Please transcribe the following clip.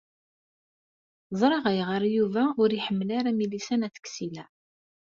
Ẓṛiɣ ayɣer Yuba ur iḥemmel ara Milisa n At Ksila.